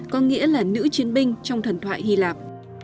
có nghĩa là nữ chiến binh trong thần thoại hy lạp